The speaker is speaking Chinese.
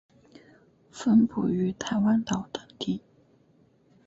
分布于台湾岛等地。